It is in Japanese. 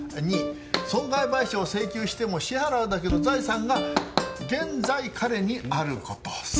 ②損害賠償を請求しても支払うだけの財産が現在彼にあること。